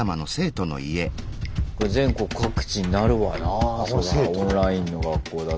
これ全国各地になるわなぁそら